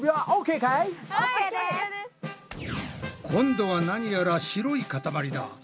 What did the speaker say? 今度は何やら白いかたまりだ。